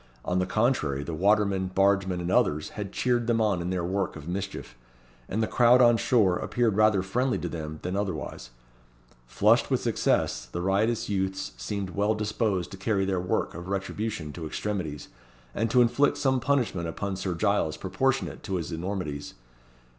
On the contrary, the watermen, bargemen, and others, had cheered them on in their work of mischief; and the crowd on shore appeared rather friendly to them than otherwise. Flushed with success, the riotous youths seemed well disposed to carry their work of retribution to extremities, and to inflict some punishment upon Sir Giles proportionate to his enormities.